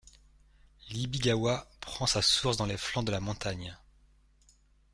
L'Ibi-gawa prend sa source dans les flancs de la montagne.